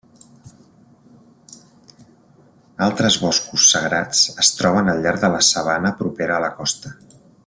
Altres boscos sagrats es troben al llarg de la sabana propera a la costa.